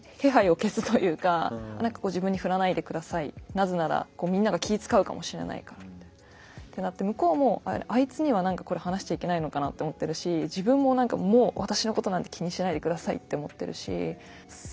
なぜならみんなが気を遣うかもしれないからってなって向こうもあいつには何かこれ話しちゃいけないのかなって思ってるし自分も何かもう私のことなんて気にしないでくださいって思ってるし。